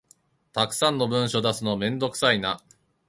たくさんの文書出すのめんどくさいな